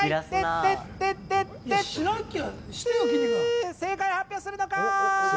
テー正解発表するのか！？